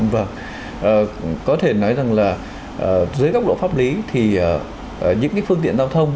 vâng có thể nói rằng là dưới góc độ pháp lý thì những cái phương tiện giao thông